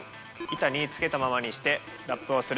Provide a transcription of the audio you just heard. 板に付けたままにしてラップをする。